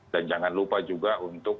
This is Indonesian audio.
dan jangan lupa juga untuk